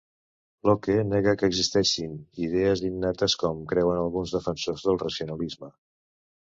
Locke nega que existeixin idees innates, com creuen alguns defensors del racionalisme.